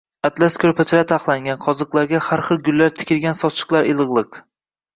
atlas koʼrpachalar taxlangan, qoziqlarga har xil gullar tikilgan sochiqlar iligʼliq.